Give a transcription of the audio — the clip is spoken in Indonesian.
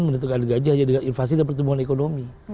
menentukan gaji hanya dengan invasi dan pertumbuhan ekonomi